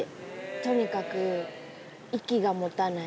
とにかく息がもたない。